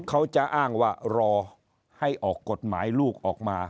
เขาจะอ้างว่ารอให้ออกกฎหมายลูกออกมา